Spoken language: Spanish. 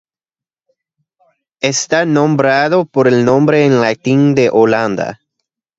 Está nombrado por el nombre en latín de Holanda.